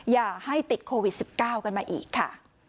อย่าให้ติดโควิด๑๙กันมาอีกค่ะ